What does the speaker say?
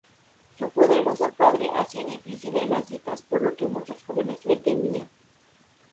Su poderoso padre hacía difíciles las citas, por lo que muchos jóvenes le temían.